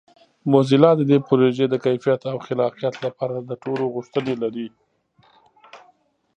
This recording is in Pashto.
موزیلا د دې پروژې د کیفیت او خلاقیت لپاره د ټولو غوښتنې لري.